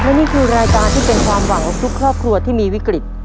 และนี่คือรายการที่เป็นความหวังของทุกครอบครัวที่มีวิกฤต